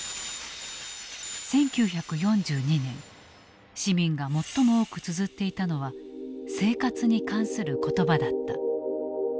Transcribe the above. １９４２年市民が最も多くつづっていたのは生活に関する言葉だった。